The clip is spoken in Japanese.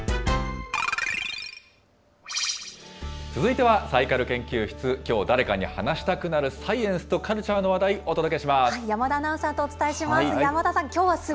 続いてはサイカル研究室、きょう、誰かに話したくなるサイエンスとカルチャーの話題、お届けします。